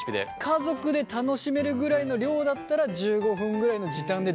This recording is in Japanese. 家族で楽しめるぐらいの量だったら１５分ぐらいの時短でできるよと？